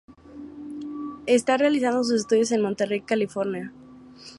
Está realizando sus estudios en Monterey, California.